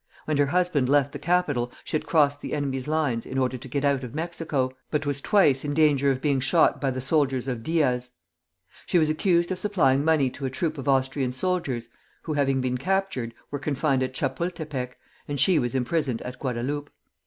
When her husband left the capital she had crossed the enemy's lines in order to get out of Mexico, but was twice in danger of being shot by the soldiers of Diaz. She was accused of supplying money to a troop of Austrian soldiers who, having been captured, were confined at Chapultepec, and she was imprisoned at Guadalupe.